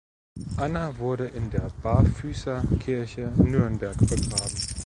Anna wurde in der Barfüßerkirche Nürnberg begraben.